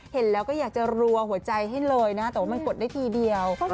เห็นแล้วก็อยากจะรัวหัวใจให้เลยนะแต่ว่ามันกดได้ทีเดียว